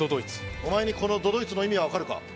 お前にこの都々逸の意味はわかるか？